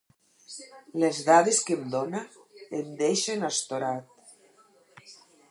Les dades que em dóna em deixen astorat.